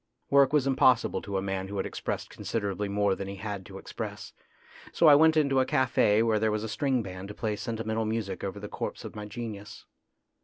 Work was impossible to a man who had expressed considerably more than he had to express, so I went into a cafe where there was a string band to play senti mental music over the corpse of my genius.